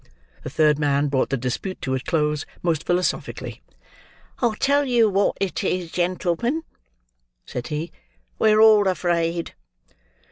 The third man brought the dispute to a close, most philosophically. "I'll tell you what it is, gentlemen," said he, "we're all afraid."